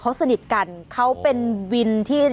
เขาสนิทกันเขาเป็นวินที่